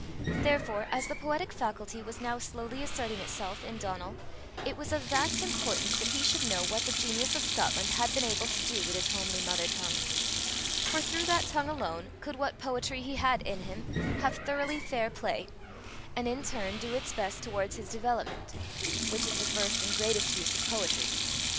Therefore, as the poetic faculty was now slowly asserting itself in Donal, it was of vast importance that he should know what the genius of Scotland had been able to do with his homely mother tongue, for through that tongue alone, could what poetry he had in him have thoroughly fair play, and in turn do its best towards his development which is the first and greatest use of poetry.